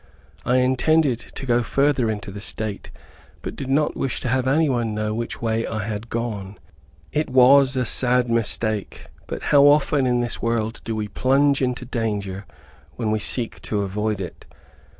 I intended to go further into the state, but did not wish to have any one know which way I had gone. It was a sad mistake, but how often in this world do we plunge into danger when we seek to avoid it!